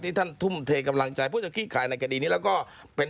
ที่ท่านธุมเถกำลักษณ์ใจเพื่อจะคีกขายในกรรีนี้แล้วก็เป็น